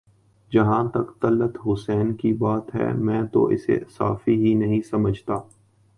جہاں تک طلعت حسین کی بات ہے میں تو اسے صحافی ہی نہیں سمجھتا